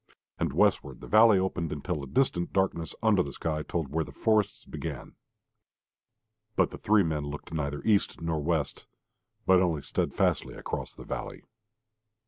And westward the valley opened until a distant darkness under the sky told where the forests began. But the three men looked neither east nor west, but only steadfastly across the valley.